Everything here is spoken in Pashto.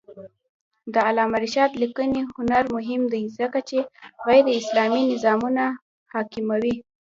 د علامه رشاد لیکنی هنر مهم دی ځکه چې غیراسلامي نظامونه محکوموي.